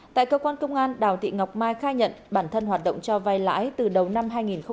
tại cơ quan công an đào thị ngọc mai khai nhận bản thân hoạt động cho vai lãi từ đầu năm hai nghìn hai mươi